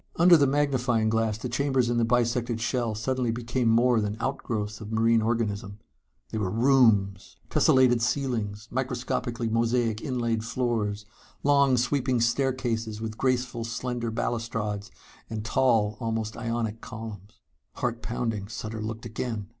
Under the magnifying glass the chambers in the bisected shell suddenly became more than outgrowths of marine organism. They were rooms! Tessellated ceilings, microscopically mosaic inlaid floors, long sweeping staircases with graceful slender balustrades and tall almost Ionic columns.... Heart pounding, Sutter looked again.